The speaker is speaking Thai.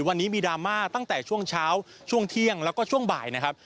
วันนี้มีดราม่าตั้งแต่ช่วงเช้าช่วงเที่ยงแล้วก็ช่วงบ่ายนะครับ